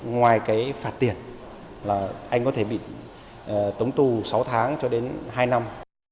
ngoài cái phạt tiền là anh có thể bị tống tù sáu tháng cho đến hai năm